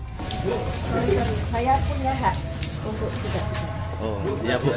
sorry sorry saya punya hak untuk kita